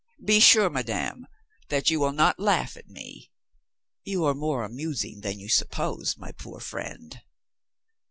"Be sure, madame, that you will not laugh at me." "You are more amusing than you suppose, my poor friend."